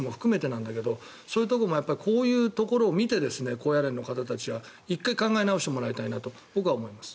なんだけどそういうところもこういうところを見て高野連の方たちは１回考え直してもらいたいなと思います。